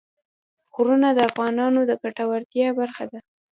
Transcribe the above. غرونه د افغانانو د ګټورتیا برخه ده.